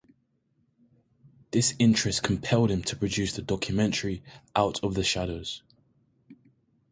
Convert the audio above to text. This interest compelled him to produce the documentary "Out of the Shadows".